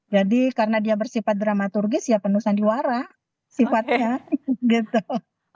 jadi karena dia bersifat dramaturgis ya penuh sandiwara sifatnya gitu